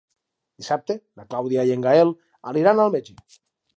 Dissabte na Clàudia i en Gaël aniran al metge.